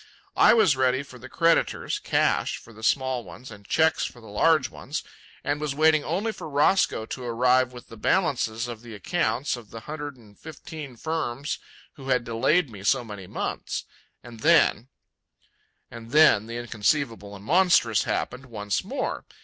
I was ready for the creditors, cash for the small ones and cheques for the large ones, and was waiting only for Roscoe to arrive with the balances of the accounts of the hundred and fifteen firms who had delayed me so many months. And then— And then the inconceivable and monstrous happened once more.